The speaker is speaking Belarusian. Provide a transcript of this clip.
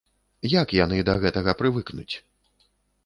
Як яны да гэтага прывыкнуць?